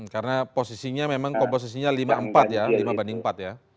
karena posisinya memang komposisinya lima empat ya lima banding empat ya